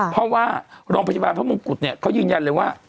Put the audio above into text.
เพราะว่าโรงพยาบาลพระมงกุฎเนี่ยเขายืนยันเลยว่า